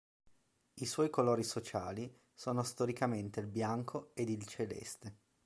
I suoi colori sociali sono storicamente il bianco ed il celeste.